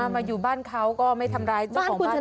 มาอยู่บ้านเขาก็ไม่ทำร้ายเจ้าของบ้าน